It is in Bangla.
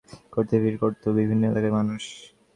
মেলা থেকে পছন্দের পশু ক্রয় করতে ভিড় করত বিভিন্ন এলাকার মানুষ।